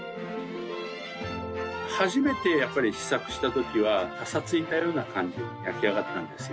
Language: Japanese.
初めてやっぱり試作した時はパサついたような感じに焼き上がったんですよ。